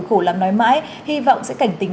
khổ lắm nói mãi hy vọng sẽ cảnh tình